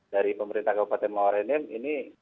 dari pemerintah kabupaten morenin ini